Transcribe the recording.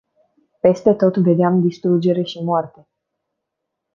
Peste tot vedeam distrugere și moarte.